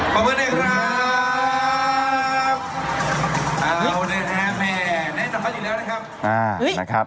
ขอบคุณค่ะขอบคุณหนึ่งครับ